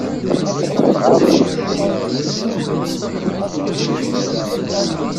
Nɣaḍ-it?